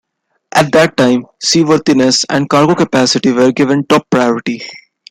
At that time, seaworthiness and cargo capacity were given top priority.